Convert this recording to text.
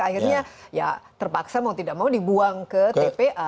akhirnya ya terpaksa mau tidak mau dibuang ke tpa